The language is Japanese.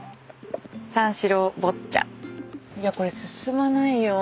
『三四郎』『坊ちゃん』いやこれ進まないよ。